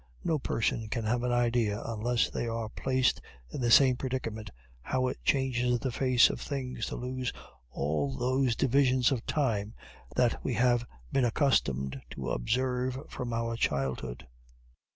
No person can have an idea, unless they are placed in the same predicament, how it changes the face of things to lose all those divisions of time that we have been accustomed to observe from our childhood.